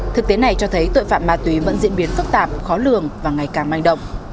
thực tế này cho thấy tội phạm ma túy vẫn diễn biến phức tạp khó lường và ngày càng manh động